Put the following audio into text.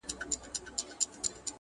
زه لکه ماشوم په منډومنډو وړانګي نیسمه-